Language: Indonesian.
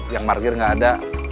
yang parkir gak ada